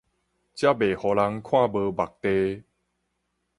才袂予人看無目地